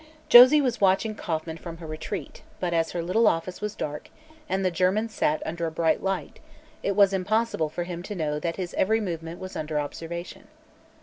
Josie was watching Kauffman from her retreat, but as her little office was dark and the German sat under a bright light it was impossible for him to know that his every movement was under observation.